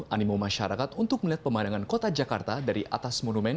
animo masyarakat untuk melihat pemandangan kota jakarta dari atas monumen